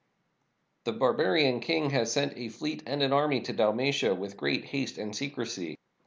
The bar barian king has sent a fleet and an army to Dalmatia with great haste and secrecy.